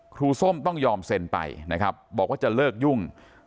ครูส้มต้องยอมเซ็นไปบอกว่าจะเลิกยุ่ง